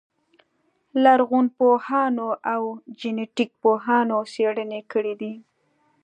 لرغونپوهانو او جنټیک پوهانو څېړنې کړې دي.